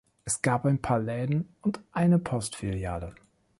Es gab ein paar Läden und eine Postfiliale.